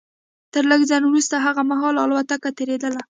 تر لږ ځنډ وروسته هغه مهال الوتکه تېرېدله